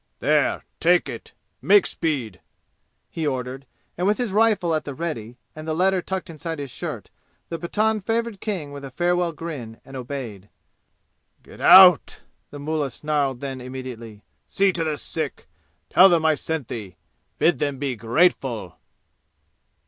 "There take it! Make speed!" he ordered, and with his rifle at the "ready" and the letter tucked inside his shirt, the Pathan favored King with a farewell grin and obeyed. "Get out!" the mullah snarled then immediately. "See to the sick. Tell them I sent thee. Bid them be grateful!"